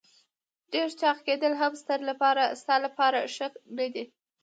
ډېر چاغ کېدل هم ستا لپاره ښه نه دي.